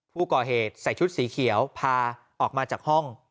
ผู้ก่อเหตุใส่ชุดสีเขียวพาออกมาจากห้อง